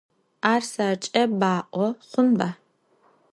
Ar serç'e ba'o xhunba?